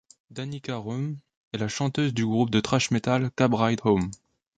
Danica Roem est la chanteuse du groupe de thrash metal Cab Ride Home.